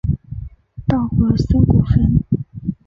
稻荷森古坟。